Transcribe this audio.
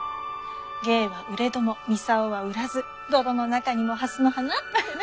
「芸は売れども操は売らず泥の中にも蓮の花」ってね。